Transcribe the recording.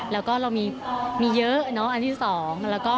แล้วก็เรามีเยอะอันที่สอง